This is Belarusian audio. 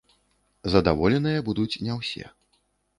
Задаволеныя будуць не ўсе.